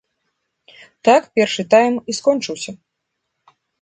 Так першы тайм і скончыўся.